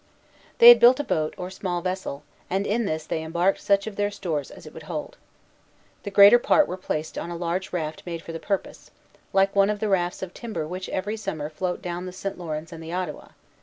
They had built a boat, or small vessel, and in this they embarked such of their stores as it would hold. The greater part were placed on a large raft made for the purpose, like one of the rafts of timber which every summer float down the St. Lawrence and the Ottawa.